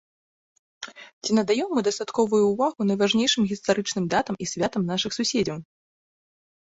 Ці надаём мы дастатковую ўвагу найважнейшым гістарычным датам і святам нашых суседзяў?